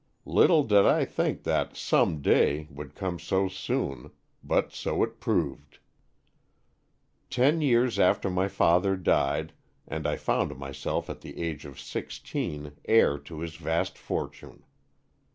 Little did I think that 'some day' would come so soon, but so it proved. Ten years after my father died and I found myself at the age of sixteen heir to his vast fortune.